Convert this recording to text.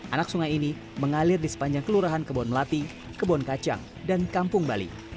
anak sungai ini mengalir di sepanjang kelurahan kebon melati kebon kacang dan kampung bali